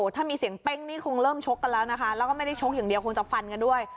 ถ้ามีเสียงเป้งนี่คงเริ่มชกกันแล้วนะคะแล้วก็ไม่ได้ชกอย่างเดียวคงจะฟันกันด้วย